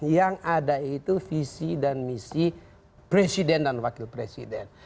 yang ada itu visi dan misi presiden dan wakil presiden